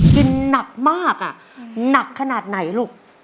หนักมากหนักขนาดไหนลูก